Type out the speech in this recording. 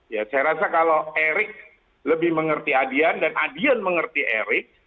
ya saya rasa kalau erick lebih mengerti adian dan adian mengerti erik